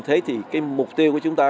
thế thì cái mục tiêu của chúng ta